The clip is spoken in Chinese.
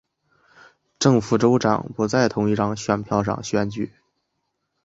正副州长不在同一张选票上选举。